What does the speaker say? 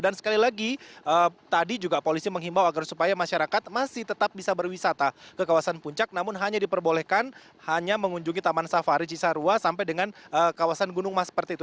dan sekali lagi tadi juga polisi menghimbau agar supaya masyarakat masih tetap bisa berwisata ke kawasan puncak namun hanya diperbolehkan hanya mengunjungi taman safari cisarua sampai dengan kawasan gunung mas seperti itu